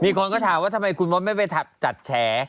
คนก็ถามว่าทำไมคุณมดไม่ไปจัดแฉ